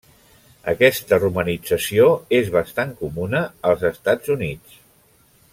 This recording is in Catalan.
Aquesta romanització és bastant comuna als Estats Units.